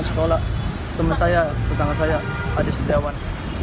di sekolah temen saya petangga saya adik setiawan